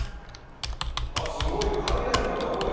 すごい！海外の方、多い。